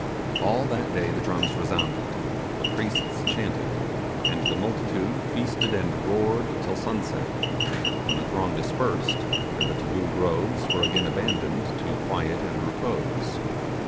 All that day the drums resounded, the priests chanted, and the multitude feasted and roared till sunset, when the throng dispersed, and the Taboo Groves were again abandoned to quiet and repose.